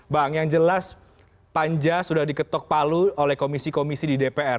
bang yang jelas panja sudah diketok palu oleh komisi komisi di dpr